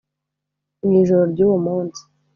Mu ijoro ry’uwo munsi